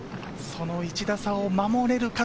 その１打差を守れるか？